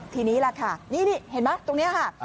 ทีนี้แหละค่ะนี่เห็นไหมตรงนี้ค่ะ